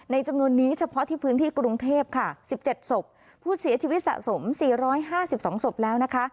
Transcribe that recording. จำนวนนี้เฉพาะที่พื้นที่กรุงเทพค่ะ๑๗ศพผู้เสียชีวิตสะสม๔๕๒ศพแล้วนะคะ